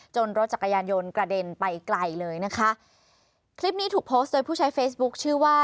รถจักรยานยนต์กระเด็นไปไกลเลยนะคะคลิปนี้ถูกโพสต์โดยผู้ใช้เฟซบุ๊คชื่อว่า